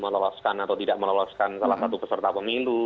meloloskan atau tidak meloloskan salah satu peserta pemilu